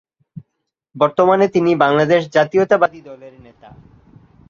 বর্তমানে তিনি বাংলাদেশ জাতীয়তাবাদী দলের নেতা।